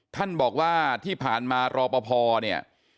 ท่านบอกว่าที่ผ่านมารอปภเนี่ย